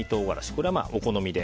これは、お好みで。